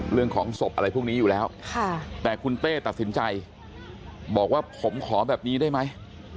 เรื่องของศพอะไรพวกนี้อยู่แล้วแต่คุณเต้ตัดสินใจบอกว่าผมขอแบบนี้ได้ไหม